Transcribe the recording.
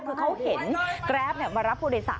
คือเขาเห็นแกรปมารับผู้โดยสาร